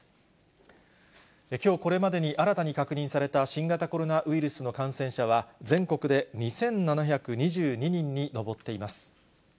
きょうこれまでに新たに確認された新型コロナウイルスの感染者は、全国で２７２２人に上っています。